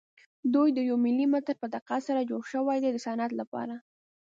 دوی د یو ملي متر په دقت سره جوړ شوي دي د صنعت لپاره.